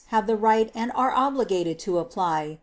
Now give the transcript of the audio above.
. have the right and are obliged to apply